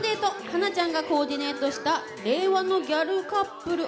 華ちゃんがコーディネートした令和のギャルカップル。